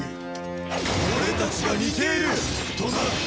俺たちが似ているとな！